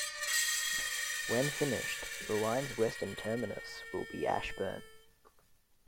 When finished, the line's western terminus will be Ashburn.